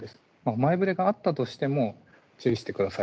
前ぶれがあったとしても注意してください